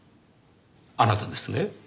あなたですね。